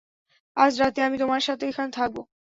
আজ রাতে আমি তোমার সাথে এখানে থাকব।